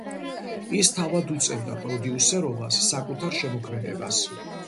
ის თავად უწევდა პროდიუსერობას საკუთარ შემოქმედებას.